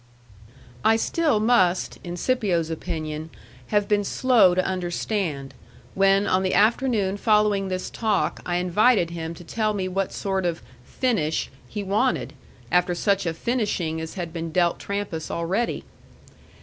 I still must, in Scipio's opinion, have been slow to understand, when on the afternoon following this talk I invited him to tell me what sort of "finish" he wanted, after such a finishing as had been dealt Trampas already.